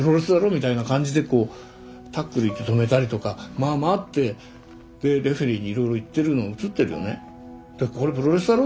みたいな感じでこうタックルいって止めたりとかまあまあってでレフェリーにいろいろ言ってるの映ってるよね。